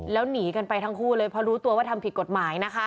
แล้วหนีกันไปทั้งคู่เลยเพราะรู้ตัวว่าทำผิดกฎหมายนะคะ